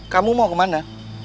kamu mau kemana